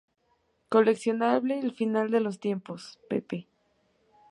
Coleccionable El Final de los Tiempos, pp.